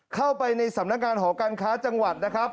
เข้าไปในสำนักงานหอการค้าจังหวัดนะครับ